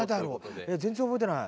全然覚えてない。